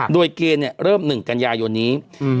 โดยเกณฑ์เนี่ยเริ่ม๑กัญญาโยนนี้